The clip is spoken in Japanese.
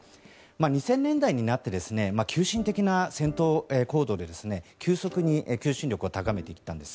２０００年代になって急進的な戦闘行為で急速に求心力を高めてきたんです。